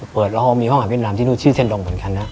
เปิดแล้วเขามีห้องหาดเวียดนามที่นู่นชื่อเซ็นดองเหมือนกันครับ